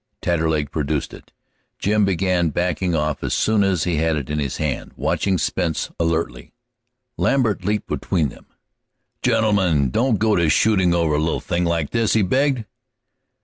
Taterleg produced it. Jim began backing off as soon as he had it in his hand, watching Spence alertly. Lambert leaped between them. "Gentlemen, don't go to shootin' over a little thing like this!" he begged.